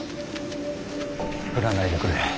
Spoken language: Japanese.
降らないでくれ。